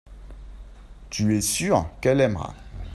tu es sûr qu'elle aimera.